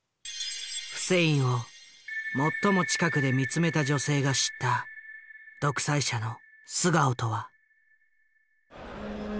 フセインを最も近くで見つめた女性が知った独裁者の素顔とは。